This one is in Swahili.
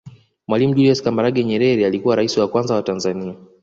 Mwalimu Julius Kambarage Nyerere alikuwa raisi wa kwanza wa Tanzania